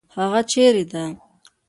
هغه چیرې ده؟